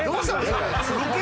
それ。